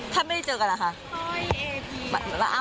ถ้าไม่ได้เจอกันอะไรค่ะ